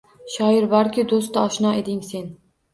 Shoir borki, do‘stu oshno eding sen